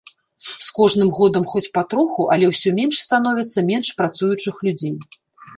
З кожным годам хоць патроху, але ўсё менш становіцца менш працуючых людзей.